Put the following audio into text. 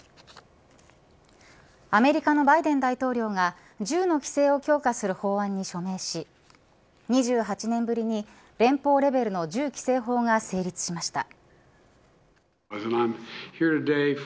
アメリカのバイデン大統領が銃の規制を強化する法案に署名し２８年ぶりに連邦レベルの銃規制法が成立しました。